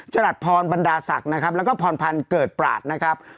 รัชพรบรรดาศักดิ์นะครับแล้วก็พรพันธ์เกิดปราศนะครับ